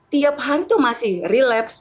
tiap hari itu masih relapse